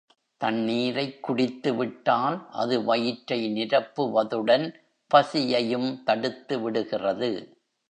தண்ணீரைக் குடித்து விட்டால், அது வயிற்றை நிரப்புவதுடன் பசியையும் தடுத்து விடுகிறது.